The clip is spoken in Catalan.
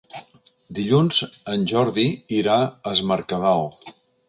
Dilluns en Jordi irà a Es Mercadal.